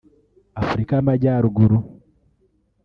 Afurika y’Amajyaruguru